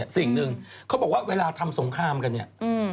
สิ่งหนึ่งเขาบอกว่าเวลาทำสงครามกันเนี่ย